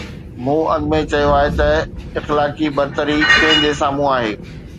مون اڳ ۾ چيو آهي ته اخلاقي برتري ڪنهن جي سامهون آهي.